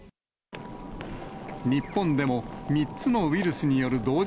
日本でも、３つのウイルスによる同時